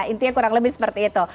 intinya kurang lebih seperti itu